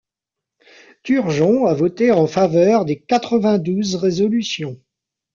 Turgeon a voté en faveur des quatre-vingt-douze résolutions.